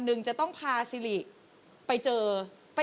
ฟงเหมือนพี่ไหมที่แบบว่า